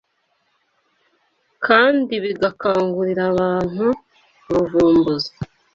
kandi bigakangurira abantu ubuvumbuzi